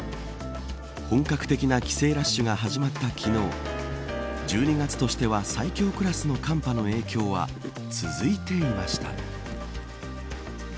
本格的な帰省ラッシュが始まった昨日１２月としては最強クラスの寒波の影響は続いていました。